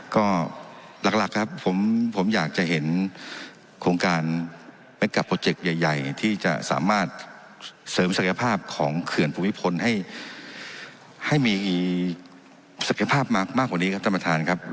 ก็หลักครับผมอยากจะเห็นโครงการแมคกาโปรเจกต์ใหญ่ที่จะสามารถเสริมศักยภาพของเขื่อนภูมิพลให้มีศักยภาพมากกว่านี้ครับท่านประธานครับ